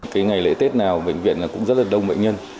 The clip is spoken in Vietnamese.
cái ngày lễ tết nào bệnh viện cũng rất là đông bệnh nhân